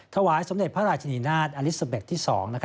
ถวายสมเด็จพระราชนีนาฏอลิซาเบ็ดที่๒